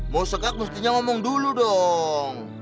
mau sekak mestinya ngomong dulu dong